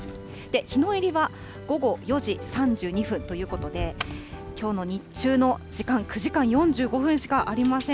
日の入りは午後４時３２分ということで、きょうの日中の時間、９時間４５分しかありません。